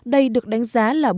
đây được đánh giá là bước